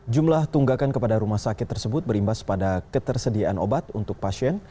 jumlah tunggakan kepada rumah sakit tersebut berimbas pada ketersediaan obat untuk pasien